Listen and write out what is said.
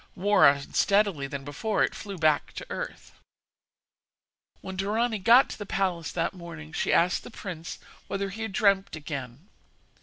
More unsteadily than before, it flew back to earth. When Dorani got to the palace that morning she asked the prince whether he had dreamt again.